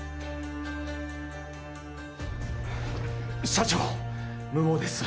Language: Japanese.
社長無謀です